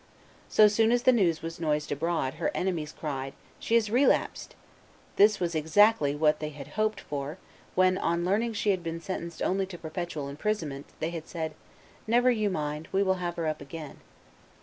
So soon as the news was noised abroad, her enemies cried, "She has relapsed!" This was exactly what they had hoped for when, on learning that she had been sentenced only to perpetual imprisonment, they had said, "Never you mind; we will have her up again."